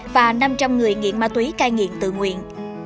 và năm trăm linh người nghiện ma túy cai nghiện tự nguyện